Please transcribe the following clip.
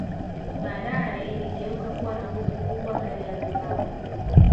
Badae iligeuka kuwa na nguvu kubwa ndani ya Zimbabwe